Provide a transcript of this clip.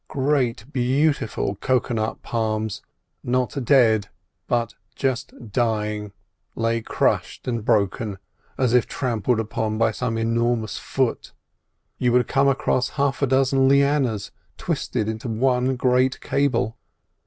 Great, beautiful cocoa nut palms, not dead, but just dying, lay crushed and broken as if trampled upon by some enormous foot. You would come across half a dozen lianas twisted into one great cable.